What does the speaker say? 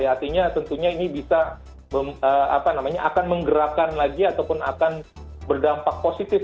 artinya tentunya ini bisa akan menggerakkan lagi ataupun akan berdampak positif